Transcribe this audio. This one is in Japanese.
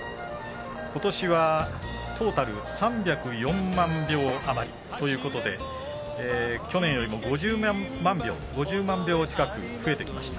ことしはトータル３０４万余りということで去年よりも５０万票近く増えてきました。